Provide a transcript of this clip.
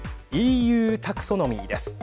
ＥＵタクソノミーです。